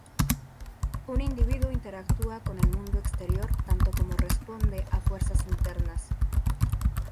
Un individuo interactúa con el mundo exterior tanto como responde a fuerzas internas.